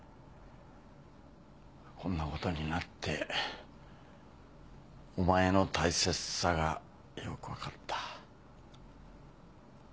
こんなことになってお前の大切さがよくわかった。